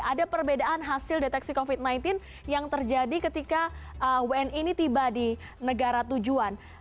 ada perbedaan hasil deteksi covid sembilan belas yang terjadi ketika wni ini tiba di negara tujuan